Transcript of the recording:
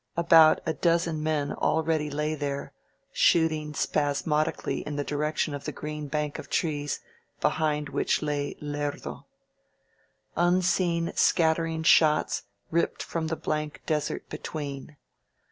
About a dozen men already lay there, shooting spasmodically in the direction of the green bank of trees behind which lay Lerdo. Unseen scattering shots ripped from the blank desert between.